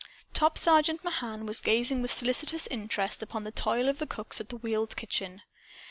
Top Sergeant Mahan was gazing with solicitous interest upon the toil of the cooks at the wheeled kitchen.